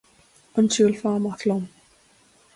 An siúlfá amach liom?